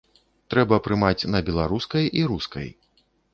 Трэба прымаць на беларускай і рускай!